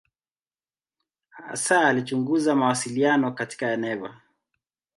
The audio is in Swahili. Hasa alichunguza mawasiliano katika neva.